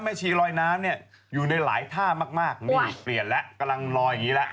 ชีลอยน้ำเนี่ยอยู่ในหลายท่ามากนี่เปลี่ยนแล้วกำลังลอยอย่างนี้แล้ว